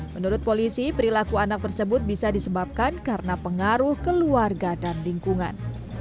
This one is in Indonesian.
menurut polisi perilaku anak tersebut bisa disebabkan karena pengaruh keluarga dan lingkungan